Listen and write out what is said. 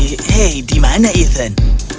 hei di mana ethan